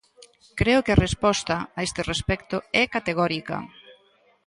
Creo que a resposta, a este respecto, é categórica.